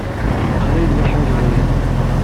Ɣer-iyi-d ma teḥwajeḍ-iyi.